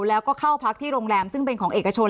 แล้วก็เข้าพักที่โรงแรมซึ่งเป็นของเอกชน